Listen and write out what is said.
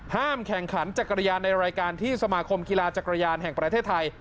แข่งขันจักรยานในรายการที่สมาคมกีฬาจักรยานแห่งประเทศไทย